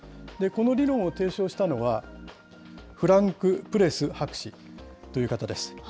この理論を提唱したのは、フランク・プレス博士という方です。